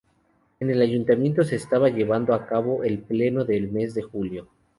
En el ayuntamiento se estaba llevando a cabo el pleno del mes de julio.